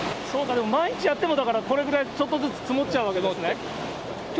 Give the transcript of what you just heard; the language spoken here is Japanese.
そうか、でも毎日やってもこれぐらいちょっとずつ積もっちゃうわけですね。